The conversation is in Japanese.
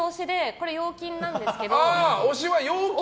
これ、幼菌なんですけど。